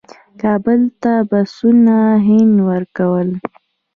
کابل ته بسونه هند ورکړل.